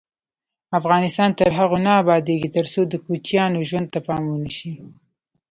افغانستان تر هغو نه ابادیږي، ترڅو د کوچیانو ژوند ته پام ونشي.